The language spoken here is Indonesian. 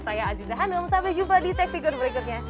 saya aziza hanum sampai jumpa di tech figure berikutnya